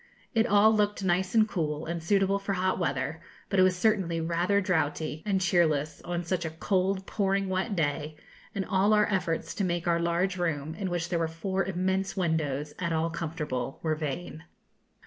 It all looked nice and cool, and suitable for hot weather, but it was certainly rather draughty and cheerless on such a cold, pouring wet day, and all our efforts to make our large room, in which there were four immense windows, at all comfortable, were vain.